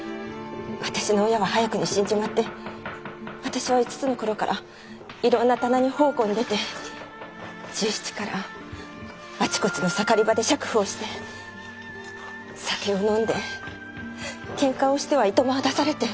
私の親は早くに死んじまって私は５つの頃からいろんな店に奉公に出て１７からあちこちの盛り場で酌婦をして酒を飲んでけんかをしては暇を出されて。